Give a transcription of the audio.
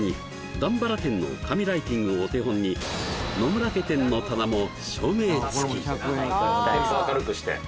段原店の神ライティングをお手本に野村家店の棚も照明付き